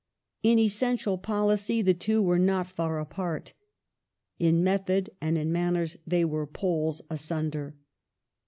In essential policy the two were not far apart ; in method and in manners they were poles asunder.